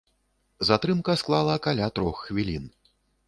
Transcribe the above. Затрымка склала каля трох хвілін.